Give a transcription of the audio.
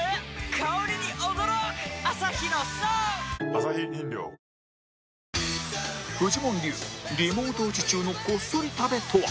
香りに驚くアサヒの「颯」フジモン流リモート打ち中のこっそり食べとは？